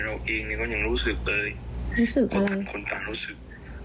เราเองเนี่ยก็ยังรู้สึกเลยรู้สึกอะไรคนต่างคนต่างรู้สึก